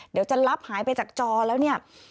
เดี๋ยวจะรับหายไปจากจอแล้วเนี่ย